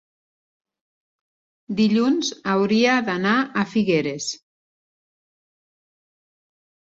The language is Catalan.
Dilluns hauria d'anar a Figueres.